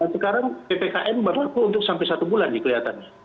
sekarang ppkm baru untuk sampai satu bulan nih kelihatannya